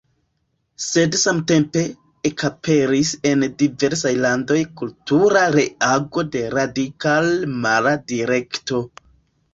Sed samtempe ekaperis en diversaj landoj kultura reago de radikale mala direkto.